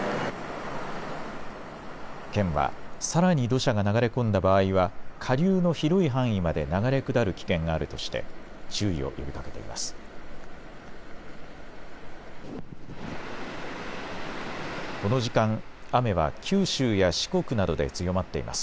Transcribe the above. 県は、さらに土砂が流れ込んだ場合は、下流の広い範囲まで流れ下る危険があるとして、注意を呼びかけています。